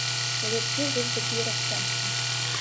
Гэта дзе ж ёсць такія расцэнкі?